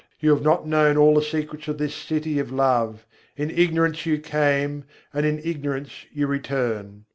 you have not known all the secrets of this city of love: in ignorance you came, and in ignorance you return.